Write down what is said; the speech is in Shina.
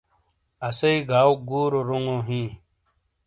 اسئی گاؤ گُورو رونگو ہی۔